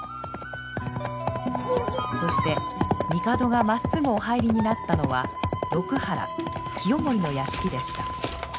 そして帝がまっすぐお入りになったのは六波羅清盛の屋敷でした。